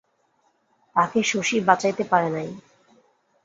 তাহাকে শশী বঁচাইতে পারে নাই।